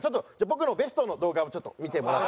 僕のベストの動画をちょっと見てもらって。